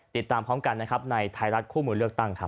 ติดตามพร้อมกันนะครับในไทยรัฐคู่มือเลือกตั้งครับ